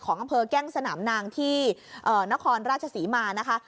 อำเภอแก้งสนามนางที่นครราชศรีมานะคะ